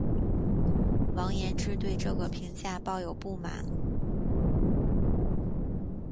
王延之对这个评价抱有不满。